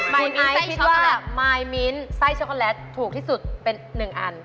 ไอซ์คิดว่ามายมิ้นไส้ช็อกโกแลตถูกที่สุดเป็น๑อัน